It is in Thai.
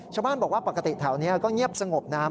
ชาวบ้านบอกว่าปกติแถวนี้ก็เงียบสงบนะครับ